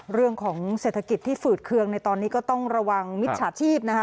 เรื่องของเศรษฐกิจที่ฝืดเคืองในตอนนี้ก็ต้องระวังมิจฉาชีพนะคะ